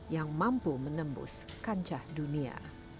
yang mampu menembus kancah dunia